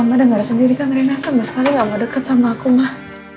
mama denger sendiri kan rina sama sekali gak mau deket sama aku mah